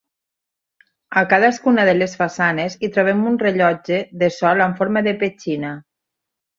A cadascuna de les façanes hi trobem un rellotge de sol amb forma de petxina.